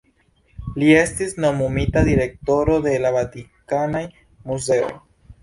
Li estis nomumita direktoro de la Vatikanaj muzeoj.